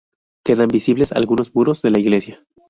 Quedan visibles algunos muros de la iglesia.